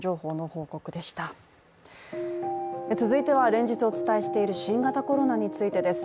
続いては連日お伝えしている新型コロナについてです。